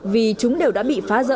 vì chúng đều đã bị phá rỡ